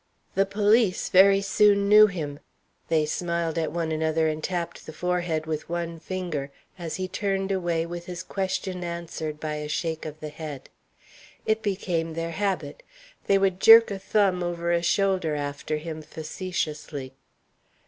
The police very soon knew him. They smiled at one another and tapped the forehead with one finger, as he turned away with his question answered by a shake of the head. It became their habit. They would jerk a thumb over a shoulder after him facetiously.